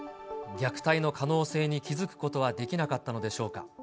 虐待の可能性に気付くことはできなかったのでしょうか。